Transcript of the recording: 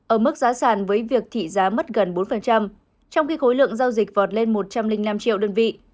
ở mức giá sản với việc thị giá mất gần bốn trong khi khối lượng giao dịch vọt lên một trăm linh năm triệu đơn vị